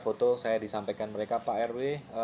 foto saya disampaikan mereka pak rw